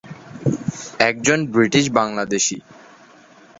একজন ব্রিটিশ বাংলাদেশী।